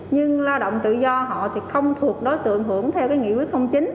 nhưng lao động tự do họ thì không thuộc đối tượng hưởng theo cái nghị quyết chín